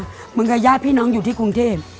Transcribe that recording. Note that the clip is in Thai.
เหมือนกับญาติพี่น้องอยู่ที่กรุงเทพ